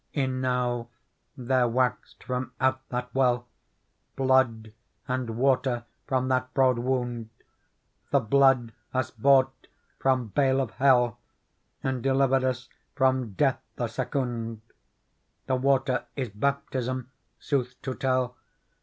" Enow there waxed from out that well Blood and water from that broad wound ! The blood us bought from bale of hell And delivered us from death the secounde : The water is baptism, sooth to tell.